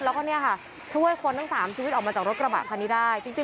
แล้วก็เนี่ยค่ะช่วยคนทั้ง๓ชีวิตออกมาจากรถกระบะคันนี้ได้